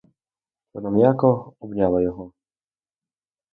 Вона м'яко обняла його.